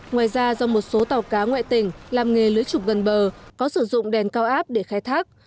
ngoài ra do một số tàu cá ngoại tỉnh làm nghề lưới trục gần bờ có sử dụng đèn cao áp để khai thác